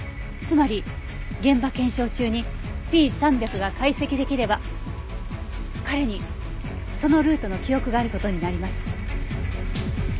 つまり現場検証中にＰ３００が解析出来れば彼にそのルートの記憶がある事になります。